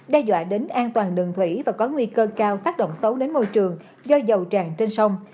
đe dọa đến an toàn đường thủy và có nguy cơ cao tác động xấu đến môi trường do dầu tràn trên sông